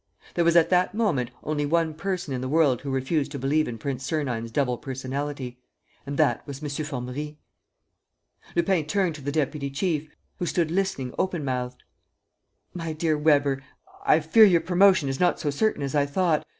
There was at that moment only one person in the world who refused to believe in Prince Sernine's double personality; and that was M. Formerie! ... Lupin turned to the deputy chief, who stood listening open mouthed: "My dear Weber, I fear your promotion is not so certain as I thought.